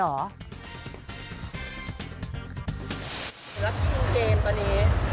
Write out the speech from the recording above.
ลักษณ์อินเกมตอนนี้